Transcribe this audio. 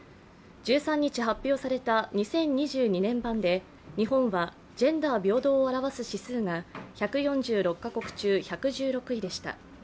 １３日発表された２０２２年版で日本はジェンダー平等を表す指数が１４６カ国中１１６位でした。